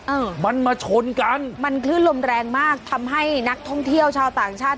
เออมันมาชนกันมันคลื่นลมแรงมากทำให้นักท่องเที่ยวชาวต่างชาติ